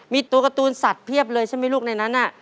มีตัวการ์ตูนสัตว์เพียบเลยใช่ไหมลูกในนั้นน่ะ